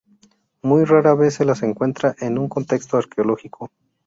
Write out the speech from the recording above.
Muy rara vez se las encuentra en un contexto arqueológico.